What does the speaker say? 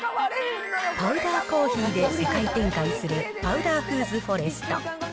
パウダーコーヒーで世界展開するパウダーフーズフォレスト。